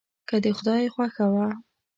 که د خدای خوښه وه.